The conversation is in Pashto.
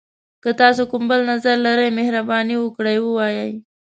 که تاسي کوم بل نظر لری، مهرباني وکړئ ووایئ.